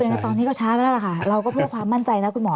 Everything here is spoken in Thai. ในตอนนี้ก็ช้าไปแล้วล่ะค่ะเราก็เพื่อความมั่นใจนะคุณหมอ